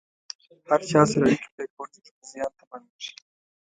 هر چا سره اړیکې پرې کول زموږ پر زیان تمامیږي